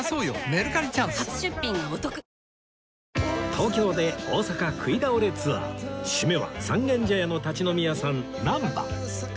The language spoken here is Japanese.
東京で大阪食い倒れツアー締めは三軒茶屋の立ち飲み屋さんなんば